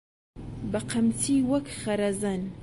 بەقەمچی وەک خەرەزەن